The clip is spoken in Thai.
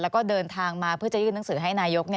แล้วก็เดินทางมาเพื่อจะยื่นหนังสือให้นายก